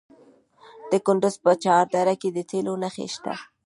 د کندز په چهار دره کې د تیلو نښې شته.